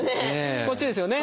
こっちですよね。